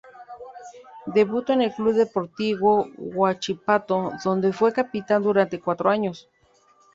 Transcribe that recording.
Debutó en Club Deportivo Huachipato, donde fue capitán durante cuatro años.